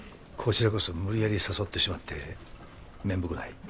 こちらこそ無理やり誘ってしまって面目ない。